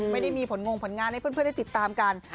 ไม่ได้มีผลงผลงานให้เพื่อนได้ติดตามกัน